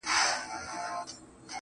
نن خو يې بيا راته يوه پلنډه غمونه راوړل.